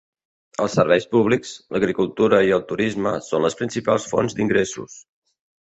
Els serveis públics, l'agricultura i el turisme són les principals fonts d'ingressos.